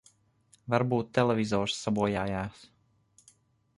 Varbūt televizors sabojājās.